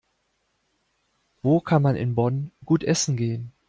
Wo kann man in Bonn gut essen gehen?